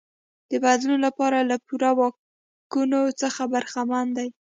د بدلون لپاره له پوره واکونو څخه برخمن دی.